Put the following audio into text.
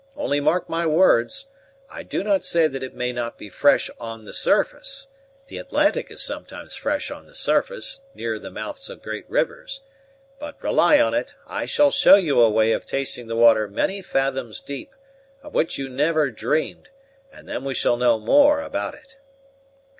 Only mark my words I do not say that it may not be fresh on the surface; the Atlantic is sometimes fresh on the surface, near the mouths of great rivers; but, rely on it, I shall show you a way of tasting the water many fathoms deep, of which you never dreamed; and then we shall know more about it."